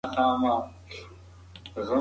نوم ګټل کلونه وخت نیسي.